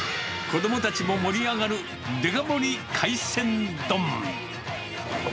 子どもたちも盛り上がるデカ盛り海鮮丼。